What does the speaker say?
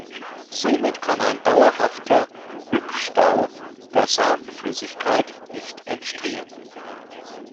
Somit kann ein dauerhafter „Rückstau“ der Samenflüssigkeit nicht entstehen.